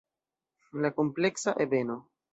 La kompleksa ebeno.